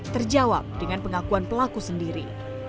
terjawab dengan pengakuan pelaku sendiri